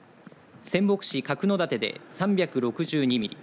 仙北市角館で３６２ミリ